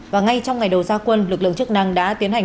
và ngay trong ngày đầu gia quân lực lượng chức năng đã tiến hành